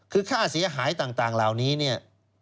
คือค่าเสียหายต่างเหล่านี้เนี่ย